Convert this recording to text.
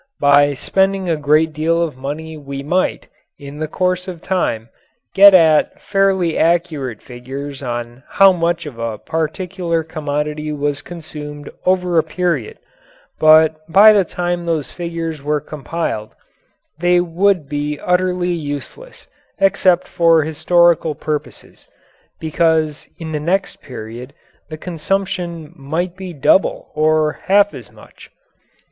By spending a great deal of money we might, in the course of time, get at fairly accurate figures on how much of a particular commodity was consumed over a period, but by the time those figures were compiled they would be utterly useless except for historical purposes, because in the next period the consumption might be double or half as much.